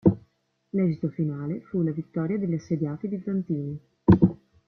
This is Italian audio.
L'esito finale fu la vittoria degli assediati bizantini.